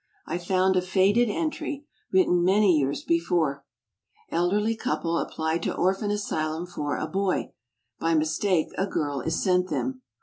I found a faded entry, written many years before: "Elderly couple apply to orphan asylum for a boy. By mistake a girl is sent them."